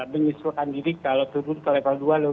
menyusulkan diri kalau turun ke level dua